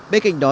bên cạnh đó